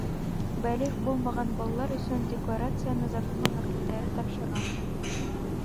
Бәлиғ булмаған балалар өсөн декларацияны законлы вәкилдәре тапшыра.